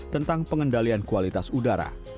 tentang pengendalian kualitas udara